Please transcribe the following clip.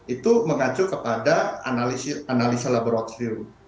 itu mengacu kepada analisa laboratorium